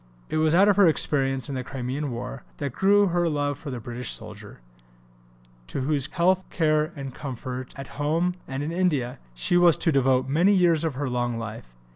It was out of her experiences in the Crimean War that grew her love for the British soldier, to whose health, care, and comfort, at home and in India, she was to devote many years of her long life.